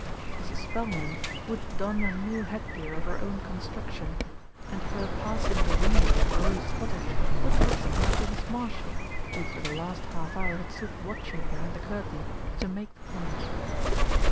Mrs. Spelman would don a new headgear of her own construction, and her passing the window of Rose Cottage would be a signal for Miss Marshall, who for the last half hour had stood watching behind the cur tain, to make the plunge.